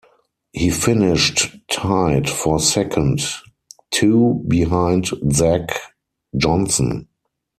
He finished tied for second, two behind Zach Johnson.